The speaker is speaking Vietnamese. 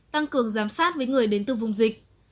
tăng cường giám sát với người đến từ vùng dịch